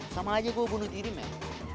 sama aja gua bunuh diri men